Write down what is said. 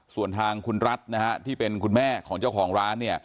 ส่วนทางคุณรัฐที่เป็นคุณแม่ของเจ้าของร้าน